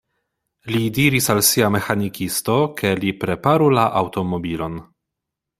Li diris al sia meĥanikisto, ke li preparu la aŭtomobilon.